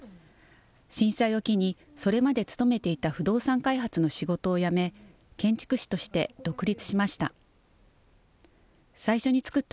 震災を機に、それまで勤めていた不動産開発の仕事を辞め、建築士として独立しました。